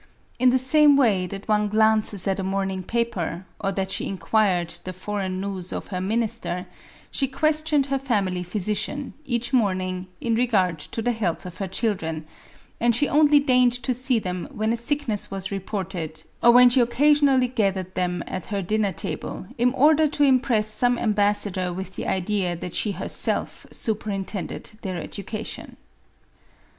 In the same way that one glances at a morning paper, or that she in quired the foreign news of her minister, she questioned her family physician, each morning, in regard to the health of her children ; and she only deigned to see them when a sickness was reported, or when she occa sionally gathered them at her dinner table, in order to impress some ambassador with the idea that she herself superintended their education. MARIE ANTOINETTE.